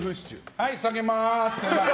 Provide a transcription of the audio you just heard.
はい、下げます。